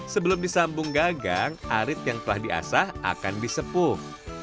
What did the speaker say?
sebelum disambung gagang arit yang telah diasah akan disepuh